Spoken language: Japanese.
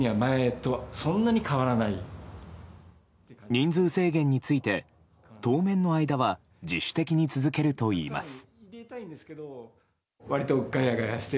人数制限について当面の間は自主的に続けるといいます。